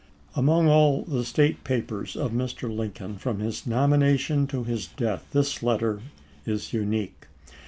Among all the state papers of Mr. Lincoln from his nomination to his death this letter is unique.